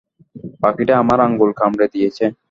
পাখিটা আমার আঙুল কামড়ে দিয়েছে!